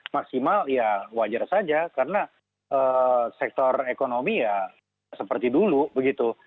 maksimal ya wajar saja karena sektor ekonomi ya seperti dulu begitu